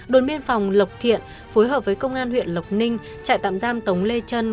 đồn biên phòng lộc thiện phối hợp với công an huyện lộc ninh trại tạm giam tống lê trân